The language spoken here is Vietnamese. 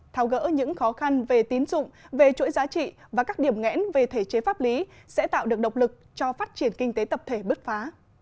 tháo gỡ những khó khăn về tín dụng về chuỗi giá trị và các điểm ngẽn về thể chế pháp lý sẽ tạo được độc lực cho phát triển kinh tế tập thể bứt phá